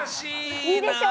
いいでしょう？